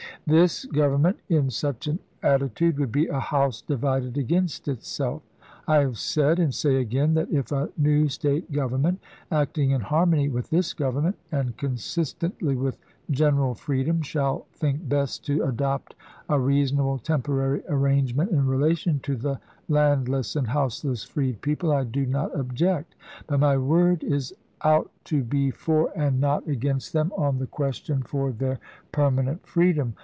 This Government^ 424 ABEAHAM LINCOLN ch. XVII. in such an attitude, would be a house divided against itself. I have said, and say again, that if a new State gov ernment, acting ia harmony with this Government and consistently with general freedom, shall think best to adopt a reasonable temporary arrangement in relation to the landless and houseless freed people, I do not object; but my word is out to be for and not against them on the question of their permanent freedom.